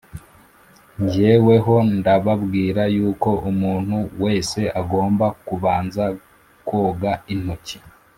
Jyeweho ndababwira yuko umuntu wese agomba kubanza koga intoki